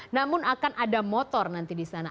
namun akan ada motor nanti di sana